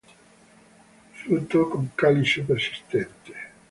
Frutto con calice persistente.